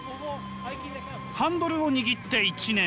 ハンドルを握って１年。